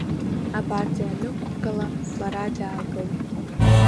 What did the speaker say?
Абарҵа ианнықәгыла, лара даагылт.